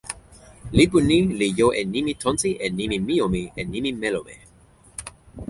lipu ni li jo e nimi tonsi e nimi mijomi e nimi melome.